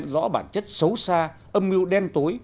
rõ bản chất xấu xa âm mưu đen tối